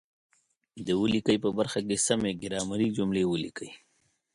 د ولیکئ په برخه کې سمې ګرامري جملې ولیکئ.